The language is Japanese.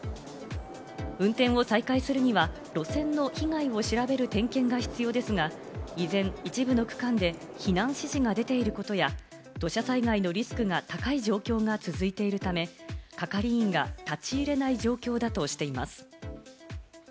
運転を再開するには路線の被害を調べる点検が必要ですが依然、一部の区間で避難指示が出ていることや土砂災害のリスクが高い状況が続いているため、係員が立ち入れない状況だとしています。